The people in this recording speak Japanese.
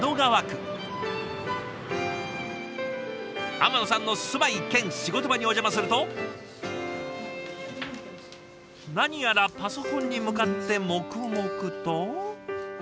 天野さんの住まい兼仕事場にお邪魔すると何やらパソコンに向かって黙々と。